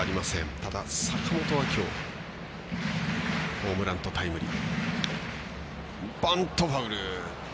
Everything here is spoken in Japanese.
ただ、坂本はきょうホームランとタイムリー。